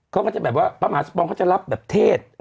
เขาก็จะแบบว่าพระมหาสมปองเขาจะรับแบบเทศ